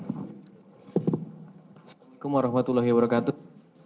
assalamu'alaikum warahmatullahi wabarakatuh